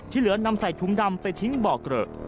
เหลือนำใส่ถุงดำไปทิ้งบ่อเกลอะ